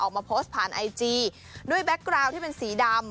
ออกมาโพสต์ผ่านไอจีด้วยแก๊กกราวที่เป็นสีดำ